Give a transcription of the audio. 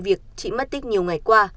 việc chị mất tích nhiều ngày qua